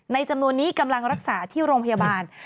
จำนวนนี้กำลังรักษาที่โรงพยาบาล